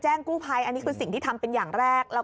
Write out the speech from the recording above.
เออแค่นั้นแหละ